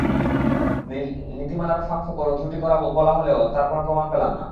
নীতিমালার ফাঁক-ফোকড় ও ত্রুটি বলা হলেও তার কোনো প্রমান পেলাম না।